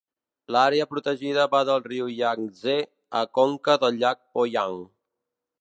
L'àrea protegida va del riu Yangtze a conca del llac Poyang.